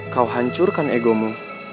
kau hancurkan egomu